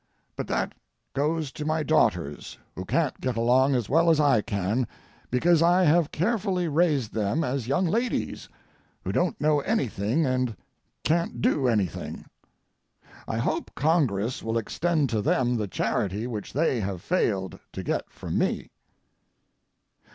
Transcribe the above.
But that goes to my daughters, who can't get along as well as I can because I have carefully raised them as young ladies, who don't know anything and can't do anything. I hope Congress will extend to them the charity which they have failed to get from me.